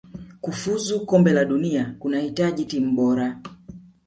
kufuzu kombe la dunia kunahitaji timu bora